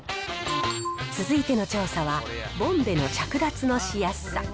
続いての調査は、ボンベの着脱のしやすさ。